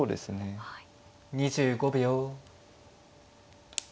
２５秒。